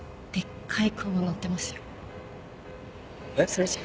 それじゃ。